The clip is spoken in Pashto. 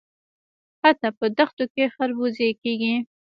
حتی په دښتو کې خربوزې کیږي.